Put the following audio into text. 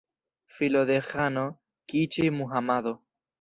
Filo de ĥano Kiĉi-Muhamado.